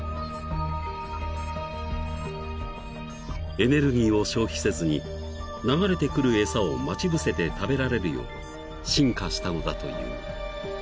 ［エネルギーを消費せずに流れてくる餌を待ち伏せて食べられるよう進化したのだという］